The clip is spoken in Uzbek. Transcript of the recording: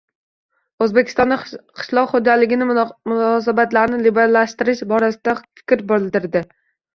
O‘zbekistonda qishloq xo‘jaligidagi munosabatlarni liberallashtirish borasida fikr bildirdi.